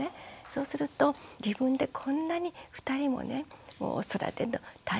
そうすると自分でこんなに２人もねもう育てるの大変なんだ